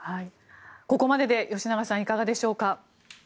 ここまでで吉永さんいかがでしょうか。